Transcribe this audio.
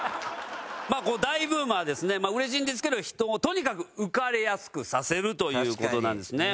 大ブームはですねうれしいんですけど人をとにかく浮かれやすくさせるという事なんですね。